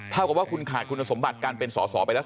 เท่ากับว่าคุณขาดคุณสมบัติการเป็นสอสอไปแล้ว